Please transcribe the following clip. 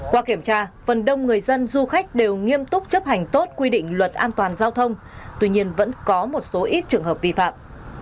qua kiểm tra phần đông người dân du khách đều nghiêm túc chấp hành tốt quy định luật an toàn giao thông tuy nhiên vẫn có một số ít trường hợp vi phạm